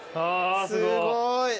すごい。